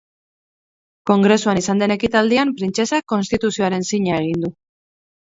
Kongresuan izan den ekitaldian printzesak Konstituzioaren zina egin du.